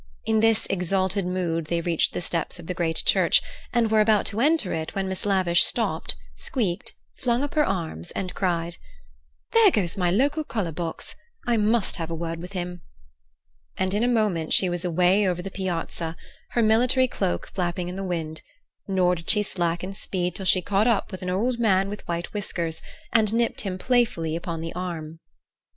In this exalted mood they reached the steps of the great church, and were about to enter it when Miss Lavish stopped, squeaked, flung up her arms, and cried: "There goes my local colour box! I must have a word with him!" And in a moment she was away over the Piazza, her military cloak flapping in the wind; nor did she slacken speed till she caught up an old man with white whiskers, and nipped him playfully upon the arm.